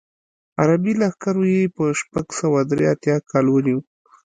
عربي لښکرو یې په شپږ سوه درې اتیا کال ونیو.